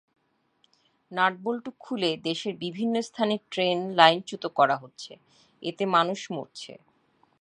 Nut bolt খুলে দেশের বিভিন্ন স্থানে ট্রেন লাইনচ্যুত করা হচ্ছে, এতে মানুষ মরছে।